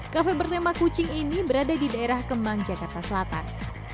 kafe bertema kucing ini berada di daerah kemang jakarta selatan